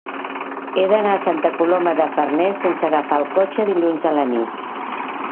He d'anar a Santa Coloma de Farners sense agafar el cotxe dilluns a la nit.